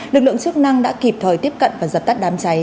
lực lượng chức năng đã kịp thời tiếp cận và dập tắt đám cháy